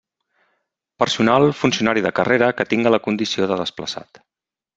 Personal funcionari de carrera que tinga la condició de desplaçat.